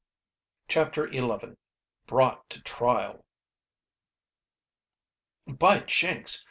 CHAPTER XI BROUGHT TO TRIAL "By jinks!